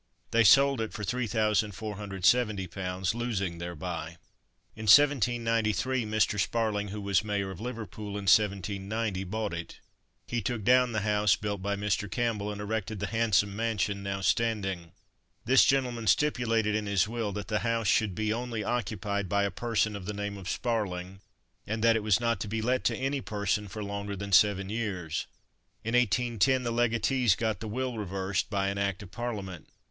They sold it for 3470 pounds, losing thereby. In 1793, Mr. Sparling, who was Mayor of Liverpool in 1790, bought it. He took down the house built by Mr. Campbell and erected the handsome mansion now standing. This gentleman stipulated in his will that the house should be only occupied by a person of the name of Sparling, and that it was not to be let to any person for longer than seven years. In 1810 the legatees got the will reversed by an act of Parliament.